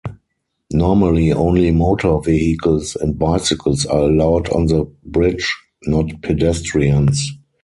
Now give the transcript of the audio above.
Normally, only motor vehicles and bicycles are allowed on the bridge-not pedestrians.